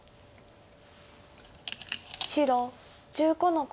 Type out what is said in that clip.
白１５の五。